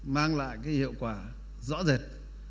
mang lại cái hiệu quả rõ rệt